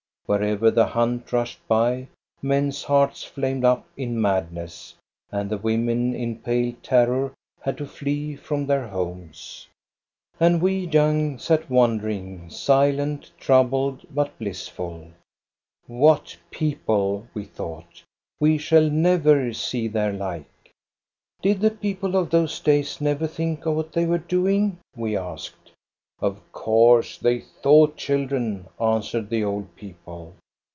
Wherever the hunt rushed by, men's hearts flamed up in mad ness, and the women in pale terror had to flee from their homes. THE AUCTION AT BJORNE 1 39 And we young ones sat wondering, silent, troubled, but blissful. " What people !" we thought. " We shall never see their like." " Did the people of those days never think of what they were doing? " we asked. "Of course they thought, children," answered the old people.